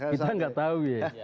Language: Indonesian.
kita nggak tahu